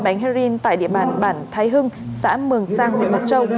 hai mươi bánh heroin tại địa bàn bản thái hưng xã mường sang huyện mộc châu